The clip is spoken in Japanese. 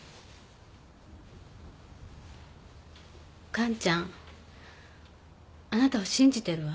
完ちゃんあなたを信じてるわ。